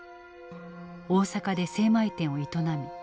大阪で精米店を営み